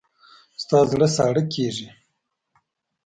ستا زړه ساړه کېږي.